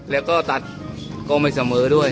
แล้วก็ตัดก็ไม่เสมอด้วย